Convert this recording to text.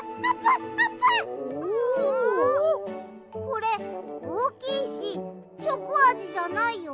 これおおきいしチョコあじじゃないよ。